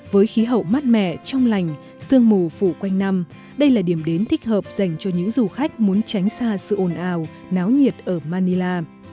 với khí hậu mát mẻ trong lành sương mù phủ quanh năm đây là điểm đến thích hợp dành cho những du khách muốn tránh xa sự ồn ào náo nhiệt ở manila